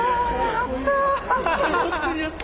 やった！